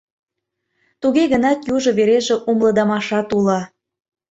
Туге гынат южо вереже умылыдымашат уло...